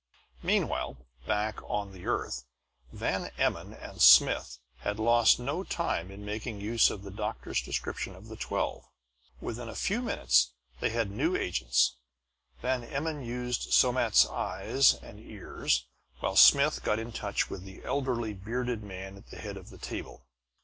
Meanwhile, back on the earth, Van Emmon and Smith had lost no time in making use of the doctor's description of the twelve. Within a few minutes they had new agents; Van Emmon used Somat's eyes and ears, while Smith got in touch with the elderly bearded man at the head of the table.